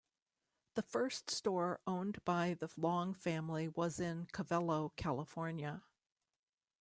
The first store owned by the Long family was in Covelo, California.